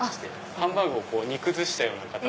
ハンバーグを煮崩したような形。